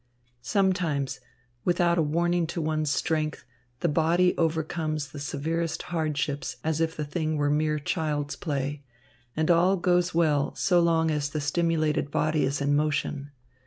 Sometimes, without a warning to one's strength, the body overcomes the severest hardships as if the thing were mere child's play; and all goes well so long as the stimulated body is in motion.